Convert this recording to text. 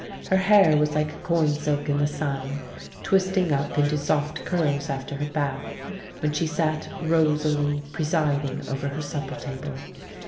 Her hair was like corn silk in the sun, twisting up into soft curls after her bath, when she sat rosily presiding over her supper table.